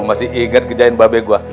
masih igat kejain babi gua